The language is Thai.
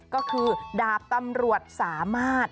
ก็คือดาบตำรวจสามารถ